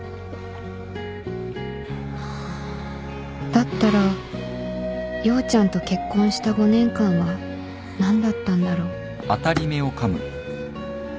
だったら陽ちゃんと結婚した５年間は何だったんだろう？